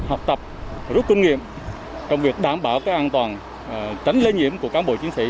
học tập rút kinh nghiệm trong việc đảm bảo an toàn tránh lây nhiễm của cán bộ chiến sĩ